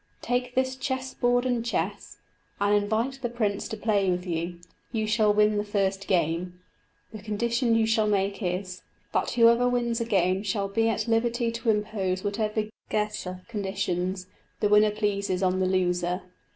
"Take this chess board and chess, and invite the prince to play with you; you shall win the first game. The condition you shall make is, that whoever wins a game shall be at liberty to impose whatever geasa (conditions) the winner pleases on the loser.